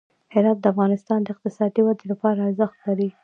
هرات د افغانستان د اقتصادي ودې لپاره ارزښت لري.